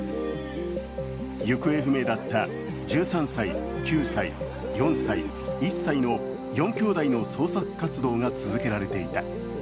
行方不明だった１３歳、９歳、４歳、１歳の４きょうだいの捜索活動が続けられていた。